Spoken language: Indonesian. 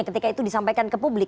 ketika itu disampaikan ke publik